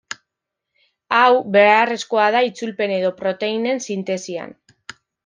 Hau, beharrezkoa da itzulpen edo proteinen sintesian.